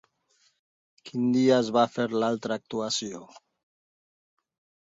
Quin dia es va fer l'altra actuació?